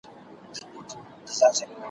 په واسکټ چي یې ښایستې حوري وېشلې `